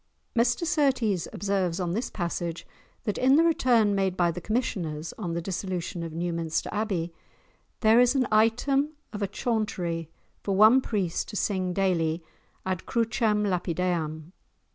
[#][#] Mr Surtees observes, on this passage, that in the return made by the commissioners, on the dissolution of Newminster Abbey, there is an item of a Chauntery, for one priest to sing daily ad crucem lapideam.